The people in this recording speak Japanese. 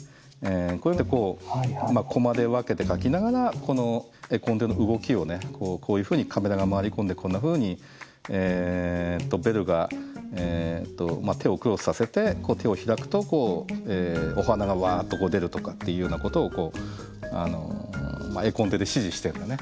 こうやってこうコマで分けて描きながらこの絵コンテの動きをねこういうふうにカメラが回り込んでこんなふうにベルが手をクロスさせて手を開くとこうお花がわっと出るとかっていうようなことをこう絵コンテで指示してるんだね。